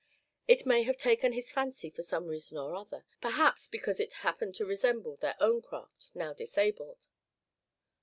It may have taken his fancy for some reason or other; perhaps because it happened to resemble their own craft, now disabled.